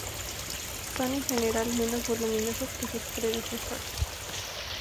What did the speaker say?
Son en general menos voluminosos que sus predecesores.